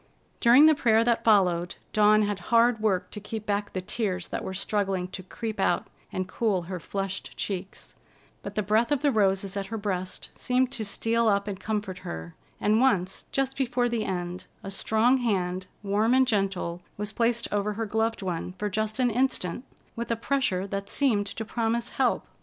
During the prayer that followed, Dawn had hard work to keep back the tears that were struggling to creep out and cool her flushed cheeks; but the breath of the roses at her breast seemed to steal up and comfort her, and once, just before the end, a strong hand, warm and gentle, was placed over her gloved one for just an instant, with a pressure that seemed to promise help.